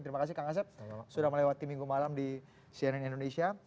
terima kasih kang asep sudah melewati minggu malam di cnn indonesia